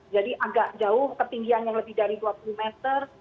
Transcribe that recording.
jadi agak jauh ketinggian yang lebih dari dua puluh meter